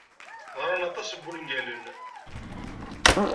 Ɣran aṭas n wungalen.